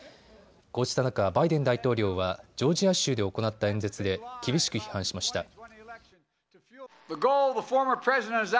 こうした中、バイデン大統領はジョージア州で行った演説で厳しく批判しました。